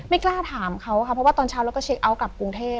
ไม่กล้าถามเขาค่ะเพราะว่าตอนเช้าเราก็เช็คเอาท์กลับกรุงเทพ